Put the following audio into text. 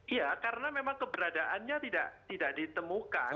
iya karena memang keberadaannya tidak ditemukan